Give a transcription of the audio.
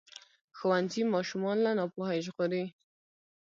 ښوونځی ماشومان له ناپوهۍ ژغوري.